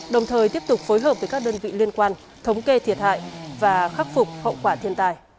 đồng thời tiếp tục phối hợp với các đơn vị liên quan thống kê thiệt hại và khắc phục hậu quả thiên tai